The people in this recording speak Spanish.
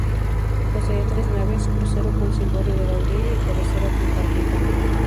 Posee tres naves, crucero con cimborrio de ladrillo y cabecera tripartita.